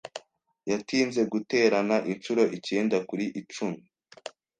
Yatinze guterana inshuro icyenda kuri icumi.